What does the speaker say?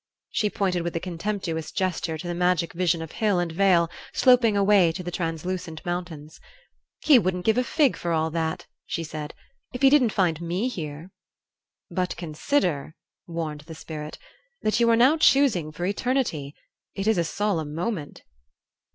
She pointed with a contemptuous gesture to the magic vision of hill and vale sloping away to the translucent mountains. "He wouldn't give a fig for all that," she said, "if he didn't find me here." "But consider," warned the Spirit, "that you are now choosing for eternity. It is a solemn moment."